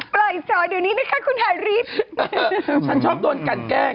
อ๋อปล่อยสอดอยู่นี้นะคะคุณหารีชชอบโดนกันแกล้ง